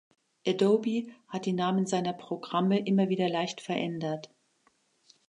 Adobe hat die Namen seiner Programme immer wieder leicht verändert.